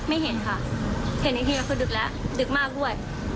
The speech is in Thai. ไม่เห็นค่ะเห็นอีกทีก็คือดึกแล้วดึกมากด้วย